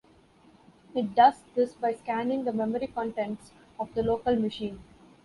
It does this by scanning the memory contents of the local machine.